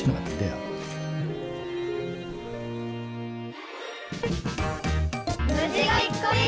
うん。